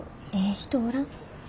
人おらん？